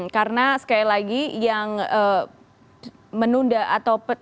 karena sekali lagi yang menunda atau